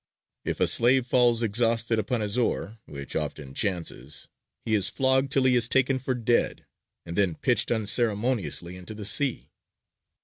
If a slave falls exhausted upon his oar (which often chances) he is flogged till he is taken for dead, and then pitched unceremoniously into the sea."